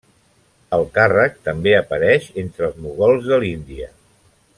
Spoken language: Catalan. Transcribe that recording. El càrrec també apareix entre els mogols de l'Índia.